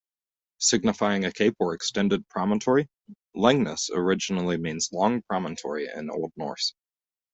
Signifying a cape or extended promontory, "Langness" literally means "long promontory" in Old Norse.